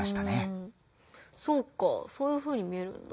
そうかそういうふうに見えるんだ。